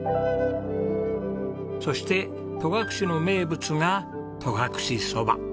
そして戸隠の名物が戸隠そば。